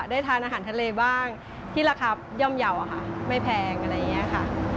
ได้ทานอาหารทะเลบ้างที่ราคาเย่าค่ะไม่แพงอะไรอย่างนี้ค่ะ